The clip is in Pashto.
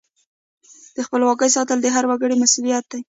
د خپلواکۍ ساتل د هر وګړي مسؤلیت دی.